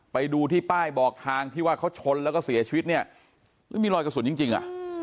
ไปดูที่ป้ายบอกทางที่ว่าเขาชนแล้วก็เสียชีวิตเนี่ยไม่มีรอยกระสุนจริงอ่ะ